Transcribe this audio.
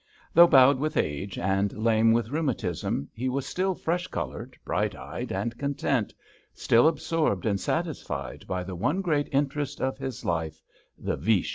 Though bowed with age and lame with rheumatism, he was still fresh coloured, bright eyed and content, still absorbed and satisfied by the one great interest of his life, the veesh."